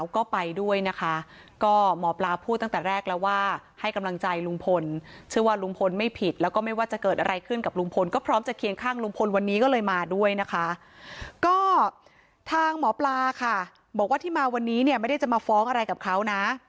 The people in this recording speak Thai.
ก็ทางหมอปลาค่ะบอกว่าที่มาวันนี้เนี่ยไม่ได้จะมาฟ้องอะไรกับเขานะ